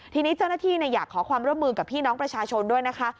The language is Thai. ทีนี้เจ้าหน้าที่อยากขอความร่วมมือกับพี่น้องประชาชนด้วยนะคะ